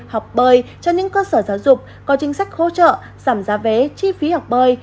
học bơi cho những cơ sở giáo dục có chính sách hỗ trợ giảm giá vé chi phí học bơi